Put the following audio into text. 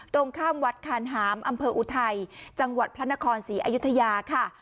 ตรงข้ามวัดคานหามอำเภออุทัยจังหวัดพระนครศรีอยุธยาค่ะ